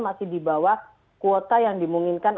masih didibawah kuota yang dimunghinkan